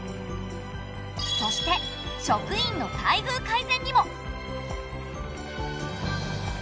そして職員の待遇改善にも。